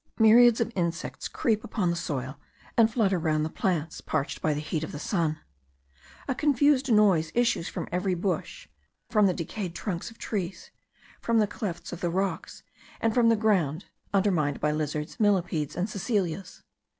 Myriads of insects creep upon the soil, and flutter round the plants parched by the heat of the sun. A confused noise issues from every bush, from the decayed trunks of trees, from the clefts of the rocks, and from the ground undermined by lizards, millepedes, and cecilias.